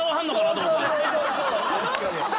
確かに。